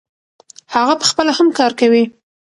هغه پخپله هم کار کوي.